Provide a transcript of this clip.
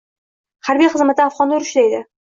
Harbiy xizmatda, afg‘onda urushida edi.